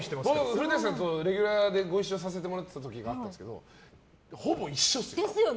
古館さん、レギュラーでご一緒させてもらったことあるんですけどほぼ一緒ですよ。